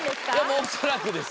恐らくです。